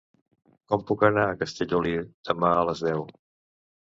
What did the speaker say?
Com puc anar a Castellolí demà a les deu?